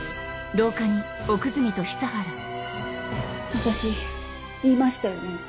私言いましたよね？